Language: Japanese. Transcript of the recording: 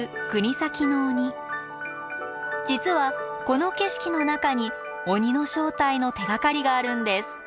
実はこの景色の中に鬼の正体の手がかりがあるんです。